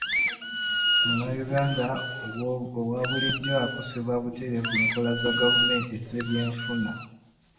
Munnayuganda owabulijjo akosebwa butereevu enkola za gavumenti ez'ebyenfuna.